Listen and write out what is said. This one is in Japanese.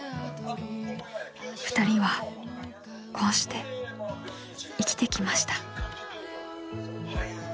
［２人はこうして生きてきました］